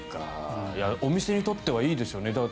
お店にとってはいいですよね。